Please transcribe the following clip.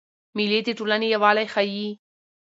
مېلې د ټولني یووالی ښيي.